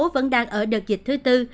vẫn đang ở đợt dịch thứ tư